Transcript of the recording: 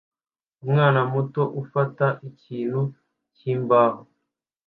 Umwana muto ufata ikintu cyimbaho